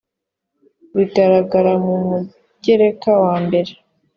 bigaragara mu mugereka wa mbere